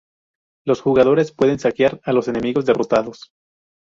Los jugadores pueden saquear a los enemigos derrotados.